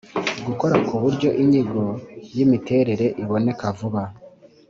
Gukora ku buryo inyigo y’imiterere iboneka vuba